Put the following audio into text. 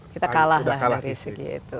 kita kalah lah dari segi itu